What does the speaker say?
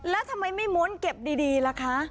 แล้วทำไมไม่ม้วนเก็บดีล่ะคะ